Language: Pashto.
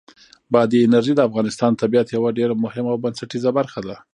بادي انرژي د افغانستان د طبیعت یوه ډېره مهمه او بنسټیزه برخه ده.